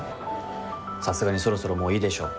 さすがにそろそろもういいでしょ。